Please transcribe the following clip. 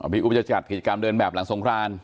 พี่อุ๊บจะจัดกิจกรรมเดินแบบหลังสงคราน